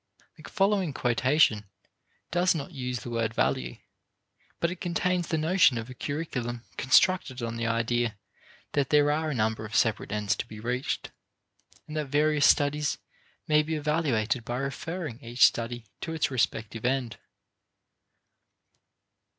The following quotation does not use the word value, but it contains the notion of a curriculum constructed on the idea that there are a number of separate ends to be reached, and that various studies may be evaluated by referring each study to its respective end.